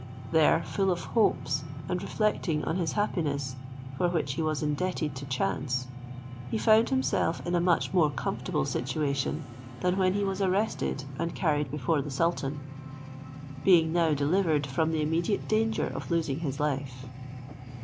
There, full of hopes, and reflecting on his happiness, for which he was indebted to chance, he found himself in a much more comfortable situation than when he was arrested and carried before the sultan; being now delivered from the immediate danger of losing his life.